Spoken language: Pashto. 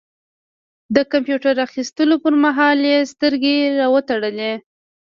د کمپيوټر اخيستلو پر مهال يې سترګې را وتړلې.